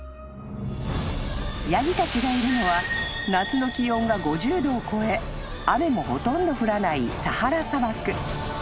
［ヤギたちがいるのは夏の気温が５０℃を超え雨もほとんど降らない］